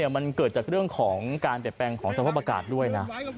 มันเกิดจากเรื่องของการแตดแปลงของสวพประกาศด้วยนะ